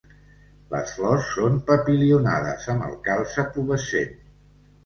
Les flors són papilionades, amb el calze pubescent.